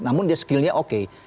namun dia skillnya oke